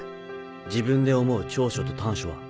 自分で思う長所と短所は？